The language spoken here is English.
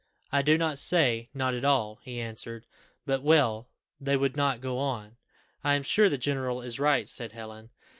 'I do not say, not at all,' he answered; 'but well they would not go on.'" "I am sure the general is right," said Helen.